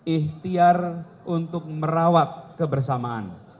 ihtiar untuk merawat kebersamaan